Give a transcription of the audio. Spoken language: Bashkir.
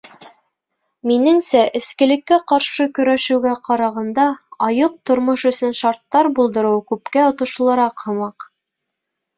Минеңсә, эскелеккә ҡаршы көрәшеүгә ҡарағанда, айыҡ тормош өсөн шарттар булдырыу күпкә отошлораҡ һымаҡ.